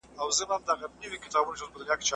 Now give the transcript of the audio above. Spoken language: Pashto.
سره ټول به شاعران وي هم زلمي هم ښکلي نجوني